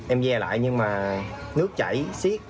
em ve lại nhưng mà nước chảy siết